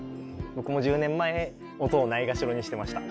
僕も１０年前音をないがしろにしてました。